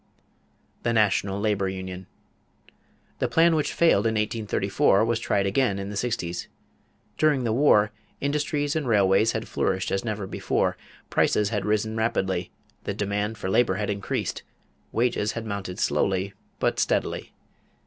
The National Labor Union. The plan which failed in 1834 was tried again in the sixties. During the war, industries and railways had flourished as never before; prices had risen rapidly; the demand for labor had increased; wages had mounted slowly, but steadily.